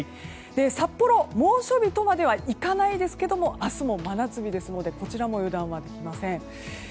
札幌、猛暑日とまではいかないですけれども明日も真夏日ですのでこちらも油断はできません。